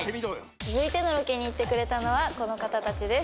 続いてのロケに行ってくれたのはこの方たちです。